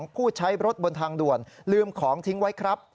ผู้ใช้รถบนทางด่วนลืมของทิ้งไว้ครับ